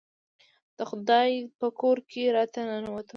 د خدای په کور کې راته ننوتو.